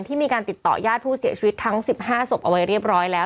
มีการติดต่อญาติผู้เสียชีวิตทั้ง๑๕ศพเอาไว้เรียบร้อยแล้ว